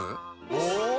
お！